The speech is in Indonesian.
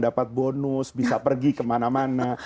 dapat bonus bisa pergi kemana mana